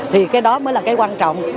thì cái đó mới là cái quan trọng